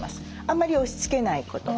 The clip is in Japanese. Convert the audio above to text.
あんまり押しつけないこと。